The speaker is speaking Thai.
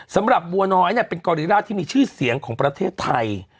สำหรับบัวน้อยเป็นกอริราชที่มีชื่อเสียงของประเทศไทย